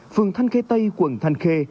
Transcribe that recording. phường thanh khê tây quận thanh khê